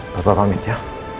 bapak pamit ya